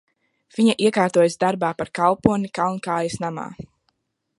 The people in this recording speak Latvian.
Viņa iekārtojas darbā par kalponi Kalnkājas namā.